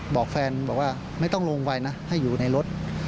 บอกแฟนบอกว่าไม่ต้องลงไปนะให้อยู่ในรถ